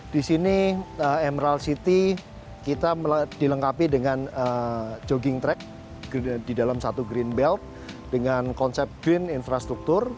di sini emerald city kita dilengkapi dengan jogging track di dalam satu green belt dengan konsep green infrastruktur